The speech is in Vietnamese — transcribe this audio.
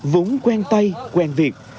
vốn quen tay quen việc